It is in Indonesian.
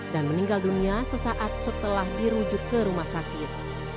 dan meninggal dunia sesaat setelah dirujuk ke rumah sakit